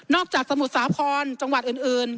จากสมุทรสาครจังหวัดอื่น